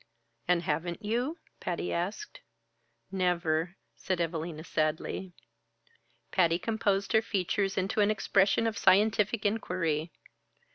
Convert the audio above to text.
"And haven't you?" Patty asked. "Never," said Evalina sadly. Patty composed her features into an expression of scientific inquiry.